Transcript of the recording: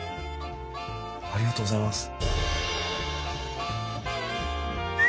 ありがとうございます。